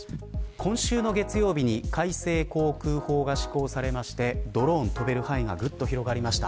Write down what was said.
今週の月曜日に改正航空法が施行されましてドローンの飛べる範囲が広がりました。